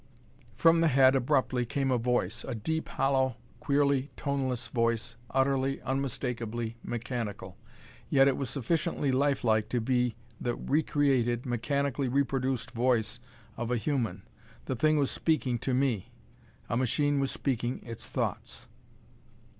From the head abruptly came a voice a deep, hollow, queerly toneless voice, utterly, unmistakably mechanical. Yet it was sufficiently life like to be the recreated, mechanically reproduced voice of a human. The thing was speaking to me! A machine was speaking its thoughts!